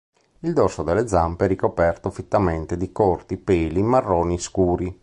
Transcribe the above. Il dorso delle zampe è ricoperto fittamente di corti peli marroni scuri.